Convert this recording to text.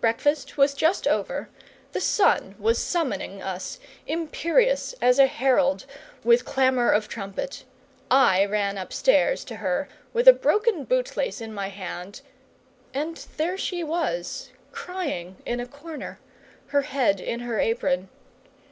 Breakfast was just over; the sun was summoning us, imperious as a herald with clamour of trumpet; I ran upstairs to her with a broken bootlace in my hand, and there she was, crying in a corner, her head in her apron.